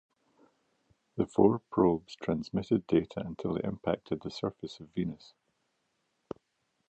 The four probes transmitted data until they impacted the surface of Venus.